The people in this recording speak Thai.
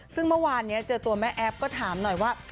ซึ่งเมื่อวานนี้เจอตัวแม่แอฟก็ถามหน่อยว่า